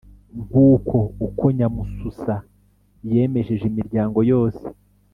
Ng’uko uko Nyamususa « yamejeje imiryango yose ».